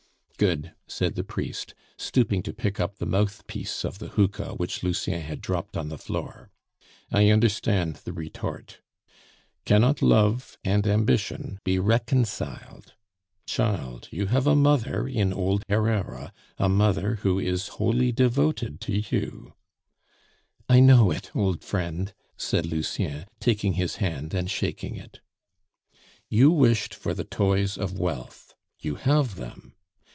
"Good!" said the priest, stooping to pick up the mouthpiece of the hookah which Lucien had dropped on the floor. "I understand the retort. Cannot love and ambition be reconciled? Child, you have a mother in old Herrera a mother who is wholly devoted to you " "I know it, old friend," said Lucien, taking his hand and shaking it. "You wished for the toys of wealth; you have them.